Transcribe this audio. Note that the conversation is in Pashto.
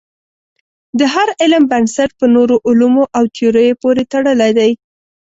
د هر علم بنسټ په نورو علومو او تیوریو پورې تړلی دی.